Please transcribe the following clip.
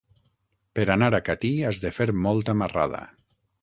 Per anar a Catí has de fer molta marrada.